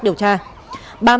điện thoại di động